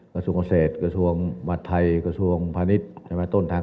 กระทรวงอเศษกระทรวงมัธยพระนิทต้นทาง